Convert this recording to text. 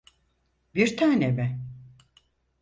Bir tane mi?